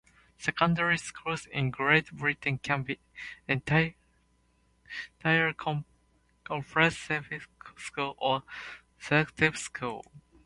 Secondary schools in Great Britain can be either comprehensive schools or selective schools.